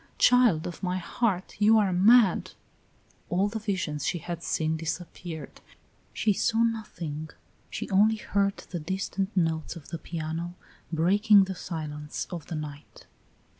Child of my heart, you are mad!" All the visions she had seen disappeared; she saw nothing, she only heard the distant notes of the piano breaking the silence of the night.